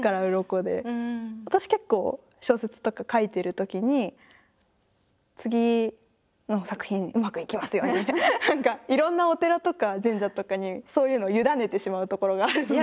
私結構小説とか書いてるときに「次の作品うまくいきますように」って何かいろんなお寺とか神社とかにそういうのを委ねてしまうところがあるので。